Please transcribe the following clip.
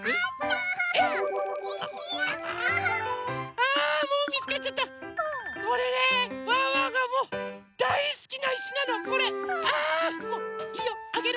あもういいよあげる。